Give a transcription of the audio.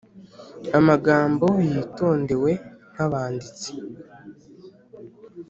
amagambo yitondewe nk'abanditsi,